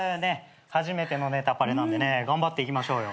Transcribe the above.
初めての『ネタパレ』なんでね頑張っていきましょうよ。